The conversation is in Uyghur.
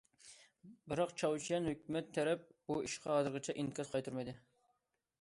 بىراق، چاۋشيەن ھۆكۈمەت تەرەپ بۇ ئىشقا ھازىرچە ئىنكاس قايتۇرمىدى.